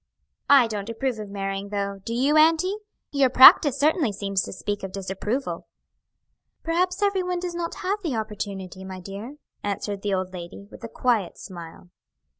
"I don't approve of marrying, though, do you, auntie? Your practice certainly seems to speak disapproval." "Perhaps every one does not have the opportunity, my dear," answered the old lady, with a quiet smile.